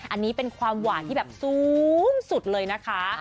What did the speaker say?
อันนี้เป็นความหวานที่แบบสูงสุดเลยนะคะ